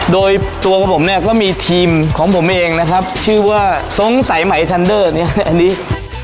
โดยตัวของผมเนี่ยก็มีทีมของผมเองนะครับชื่อว่าสงสัยไหมทันเดอร์เนี่ยอันนี้